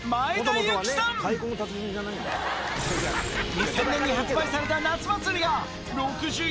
２０００年に発売された『夏祭り』がその年の